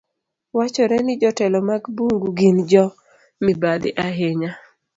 Wachore ni jotelo mag bungu gin jo mibadhi ahinya.